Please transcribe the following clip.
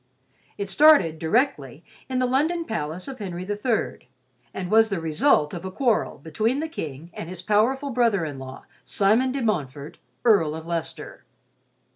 It started, directly, in the London palace of Henry III, and was the result of a quarrel between the King and his powerful brother in law, Simon de Montfort, Earl of Leicester.